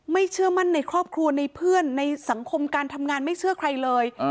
เชื่อมั่นในครอบครัวในเพื่อนในสังคมการทำงานไม่เชื่อใครเลย